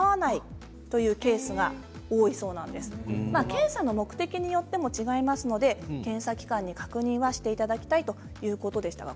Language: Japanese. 検査の目的によっても違いますので、検査機関に確認はしていただきたいということでした。